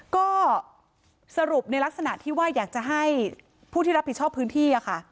ก็สรุปในลักษณะที่ว่าอยากจะให้ผู้ที่รับผิดชอบพื้นที่ค่ะ